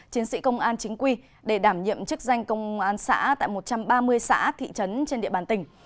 chiến sĩ công an chính quy để đảm nhiệm chức danh công an xã tại một trăm ba mươi xã thị trấn trên địa bàn tỉnh